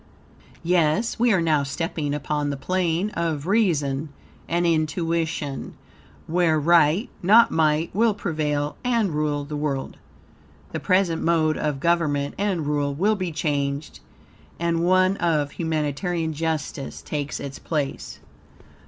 Yes, we are now stepping upon the plane of reason and intuition, where right, not might, will prevail and rule the world. The present mode of government and rule will be changed, and one of humanitarian justice take its place.